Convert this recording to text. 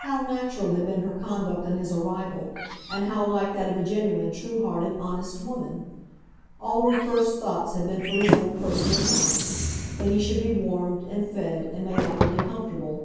How natural had been her conduct on his arrival, and how like that of a genuine, true hearted, honest woman! All her first thoughts had been for his little personal wants, that he should be warmed, and fed, and made outwardly comfortable.